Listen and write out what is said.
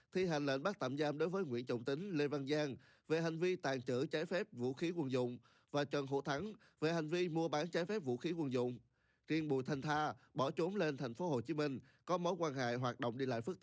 thi hành lệnh bắt tạm giam đối với nguyễn trọng tính lê văn giang về hành vi tàn trữ trái phép vũ khí quân dụng và trần hữu thắng về hành vi mua bán trái phép vũ khí quân dụng